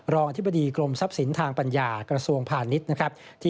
รองอธิบดีกลมทรัพย์ศิลป์ทางปัญญากระทรวงพาณิชย์